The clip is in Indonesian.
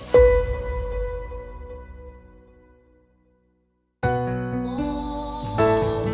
pak beli terigu kopi sama pewangi